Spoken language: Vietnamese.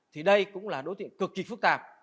thì đây cũng là đối tượng cực kỳ phức tạp